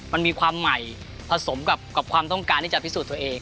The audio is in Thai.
มันมีความใหม่ผสมกับความต้องการที่จะพิสูจน์ตัวเอง